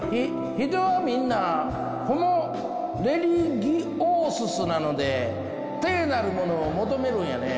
人はみんなホモ・レリギオーススなので聖なるものを求めるんやね。